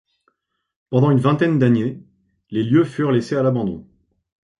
Pendant une vingtaine d'années, les lieux furent laissés à l'abandon.